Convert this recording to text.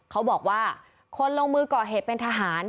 เขาบอกว่าคนลงมือก่อเหตุเป็นทหาร